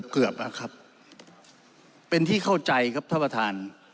เกือบแล้วครับเป็นที่เข้าใจครับท่านประธาน